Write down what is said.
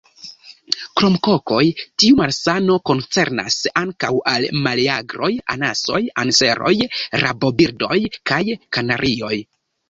Krom kokoj, tiu malsano koncernas ankaŭ al meleagroj, anasoj, anseroj, rabobirdoj, kaj kanarioj.